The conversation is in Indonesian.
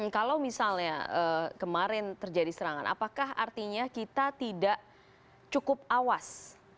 kalau misalnya kemarin terjadi serangan apakah artinya kita tidak cukup awas